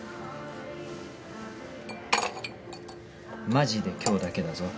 マジで今日だけだぞ。